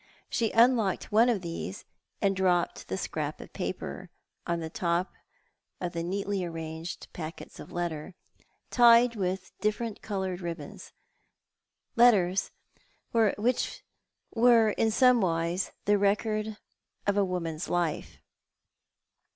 She unlocked one of these, and dropped the scrap of paper on the top of tho neatly arranged packets of letters, tied with different coloured ribbons — letters which were in some wise the record of a woman's life.